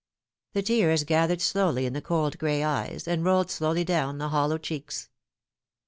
The tears gathered slowly in the cold gray eyes, and rolled slowly down the hollow cheeks.